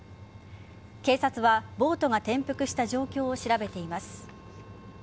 警察は、ボートが転覆した状況を調べています。